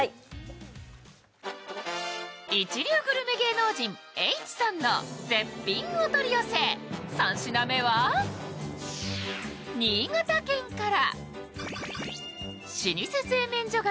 一流グルメ芸能人・Ｈさんの絶品お取り寄せ３品目は新潟県から。